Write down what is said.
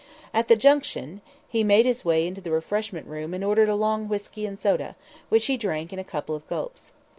At the Junction, he made his way into the refreshment room and ordered a long whisky and soda, which he drank in a couple of gulps.